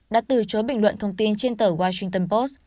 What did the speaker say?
đã từ chối bình luận thông tin trên tờ washington post